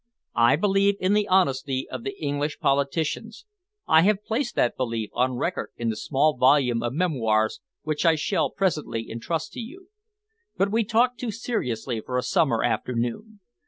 I believe in the honesty of the English politicians, I have placed that belief on record in the small volume of memoirs which I shall presently entrust to you. But we talk too seriously for a summer afternoon.